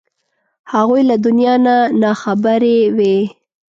هغوی له دنیا نه نا خبرې وې.